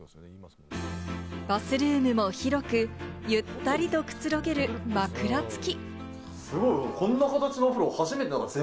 バスルームも広くゆったりとくつろげる枕付き。